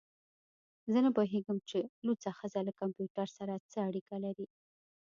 زه نه پوهیږم چې لوڅه ښځه له کمپیوټر سره څه اړیکه لري